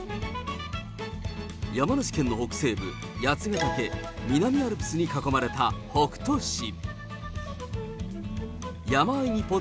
山梨県の北西部、八ヶ岳南アルプスに囲まれた北杜市。